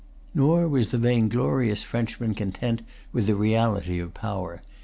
Nor was the vainglorious Frenchman content with the reality of power.